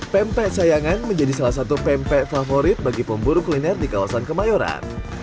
pempek sayangan menjadi salah satu pempek favorit bagi pemburu kuliner di kawasan kemayoran